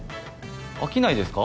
飽きないですか？